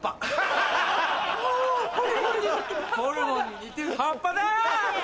ホルモンに似てる葉っぱだ！